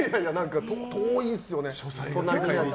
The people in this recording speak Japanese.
遠いんすよね。